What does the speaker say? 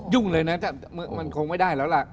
ยุ่งเลยนะแต่มันคงไม่ได้แล้วล่ะ